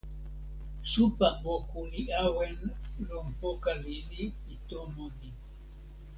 supa moku li awen lon poka lili pi tomo ni.